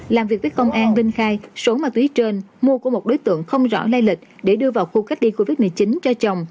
làm việc với công an rinh khai số ma túy trên mua của một đối tượng không rõ lây lịch để đưa vào khu cách ly covid một mươi chín cho chồng